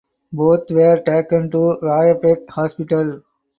Both were taken to Royapettah Hospital.